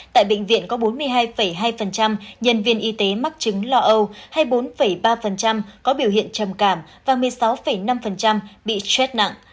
tại bệnh viện có bốn mươi hai hai nhân viên y tế mắc chứng lo âu hay bốn ba có biểu hiện trầm cảm và một mươi sáu năm bị stress nặng